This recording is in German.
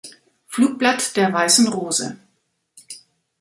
Flugblatt der Weißen Rose.